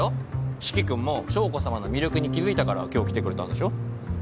四鬼君も将子さまの魅力に気付いたから今日来てくれたんでしょ？